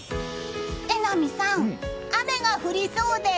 榎並さん、雨が降りそうです。